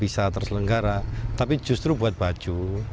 bisa terselenggara tapi justru buat baju